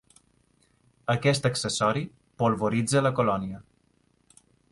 Aquest accessori polvoritza la colònia.